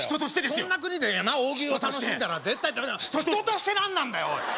そんな国で大食いを楽しんだら絶対ダメだ人として何なんだよ！